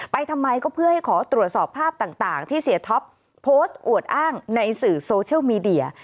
ไปทำไมก็เพื่อให้ขอตรวจสอบภาพต่างที่เสียท็อปโพสต์อวดอ้างในสื่อโซเชียลมีเดีย